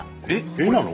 絵なの？